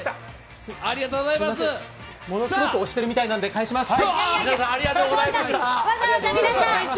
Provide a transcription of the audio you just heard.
ものすごく押してるみたいなんで返します。